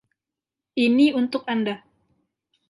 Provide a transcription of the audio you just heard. Ini untuk Anda.